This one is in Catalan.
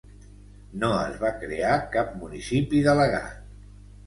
No es va crear cap municipi delegat.